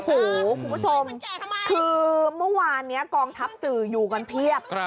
โอ้โหคุณผู้ชมคือเมื่อวานนี้กองทัพสื่ออยู่กันเพียบ